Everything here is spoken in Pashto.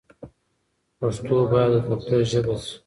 پښتو بايد د دفتر ژبه شي.